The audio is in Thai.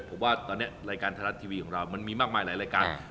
ผมว่าตอนนี้รายการไทยรัฐทีวีของเรามันมีมากมายหลายรายการ